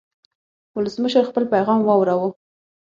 ولسمشر خپل پیغام واوراوه.